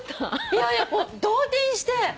いやいやもう動転して。